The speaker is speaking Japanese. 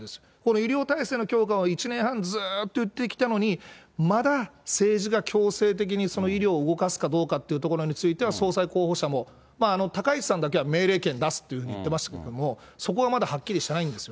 医療体制の強化を１年半ずっと言ってきたのに、まだ政治が強制的にその医療を動かすかどうかっていうところについては、総裁候補者も、高市さんだけは命令権出すというふうに言ってましたけれども、そこがまだはっきりしてないんですよね。